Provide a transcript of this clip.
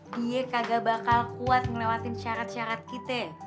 dia kagak bakal kuat ngelewatin syarat syarat kita